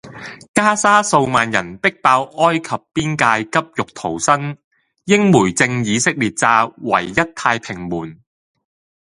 加沙數萬人逼爆埃及邊界急欲逃生英媒證以色列炸「唯一太平門」